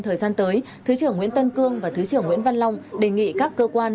thời gian tới thứ trưởng nguyễn tân cương và thứ trưởng nguyễn văn long đề nghị các cơ quan